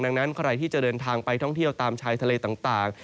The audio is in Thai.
ดังนั้นใครที่จะเดินทางไปท่องเที่ยวตามชายทะเลต่าง